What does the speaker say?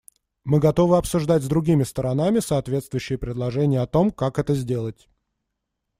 Мы готовы обсуждать с другими сторонами соответствующие предложения о том, как это сделать.